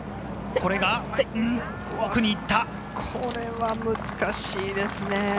これは難しいですね。